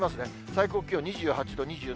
最高気温２８度、２７度。